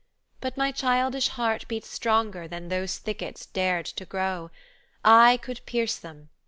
"But my childish heart beat stronger Than those thickets dared to grow: I could pierce them!